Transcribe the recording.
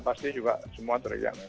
pasti juga semua terial